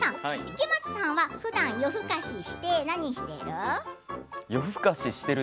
池松さんは、ふだん夜更かしして何してる？